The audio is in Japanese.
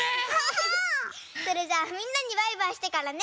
それじゃあみんなにバイバイしてからね。